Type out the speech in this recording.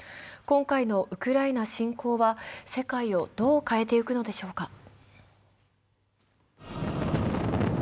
今回のウクライナ侵攻は世界をどう変えていくのでしょうか。